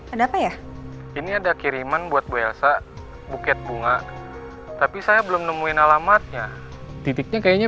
ada apa ya ini ada kiriman buat bu elsa buket bunga tapi saya belum nemuin alamatnya titiknya kayaknya